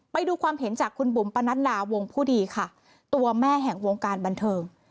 ไปดูความเห็นจากคุณบุ๋มปนัดลาวงผู้ดีค่ะตัวแม่แห่งวงการบันเทิง